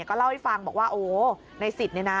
ก็เล่าให้ฟังบอกว่าโอ้ในสิทธิ์เนี่ยนะ